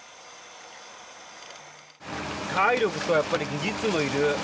体力とやっぱり技術もいる。